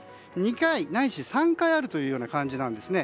２回ないし３回ある感じですね。